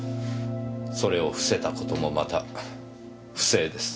それをふせた事もまた不正です。